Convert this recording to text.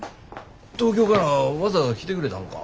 東京からわざわざ来てくれたんか？